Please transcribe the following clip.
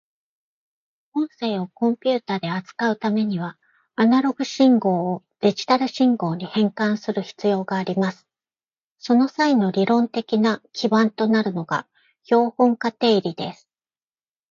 音声をコンピュータで扱うためには、アナログ信号をデジタル信号に変換する必要があります。その際の理論的な基盤となるのが標本化定理です。